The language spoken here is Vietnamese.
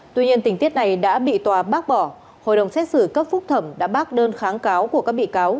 tuy nhiên tình tiết này đã bị tòa bác bỏ hội đồng xét xử cấp phúc thẩm đã bác đơn kháng cáo của các bị cáo